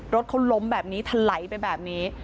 รถเขาล้มแบบนี้ทะไหลไปแบบนี้